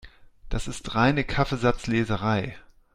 Das ist reine Kaffeesatzleserei.